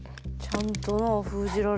ちゃんとなあ封じられて。